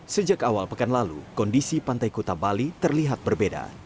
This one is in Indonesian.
sejak awal pekan lalu kondisi pantai kuta bali terlihat berbeda